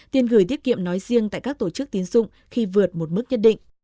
tiền gửi tiết kiệm nói riêng tại các tổ chức tiến dụng khi vượt một mức nhất định